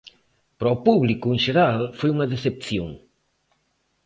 Para o público, en xeral, foi unha decepción.